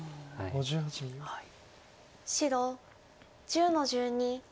白１０の十二ハネ。